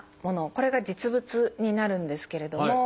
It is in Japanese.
これが実物になるんですけれども。